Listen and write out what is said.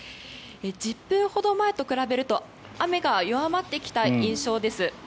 １０分ほど前と比べると雨が弱まってきた印象です。